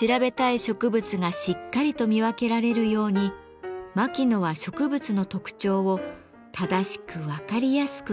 調べたい植物がしっかりと見分けられるように牧野は植物の特徴を正しく分かりやすく描きました。